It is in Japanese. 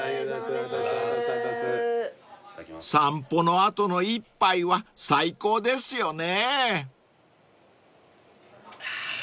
［散歩の後の一杯は最高ですよね］